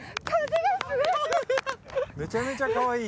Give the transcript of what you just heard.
めちゃめちゃかわいい！